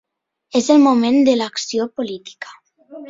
És el moment de l’acció política.